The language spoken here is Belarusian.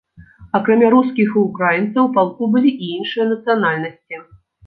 Акрамя рускіх і ўкраінцаў, у палку былі і іншыя нацыянальнасці.